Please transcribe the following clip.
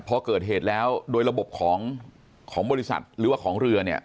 พอเกิดเหตุแล้วโดยระบบของบริษัทหรือว่าของเรือเนี่ย